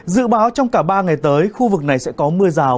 dự báo trong cả ba ngày tới khu vực này sẽ có mưa rào